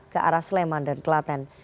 ke arah sleman dan kelaten